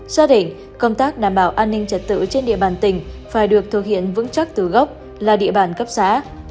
xác định công tác đảm bảo an ninh trật tự trên địa bàn tỉnh phải được thực hiện vững chắc từ gốc là địa bàn cấp xã